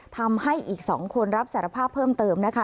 ทำให้อีก๒คนรับสารภาพเพิ่มเติมนะคะ